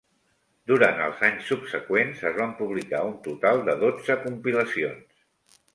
Durant els anys subseqüents, es van publicar un total de dotze compilacions.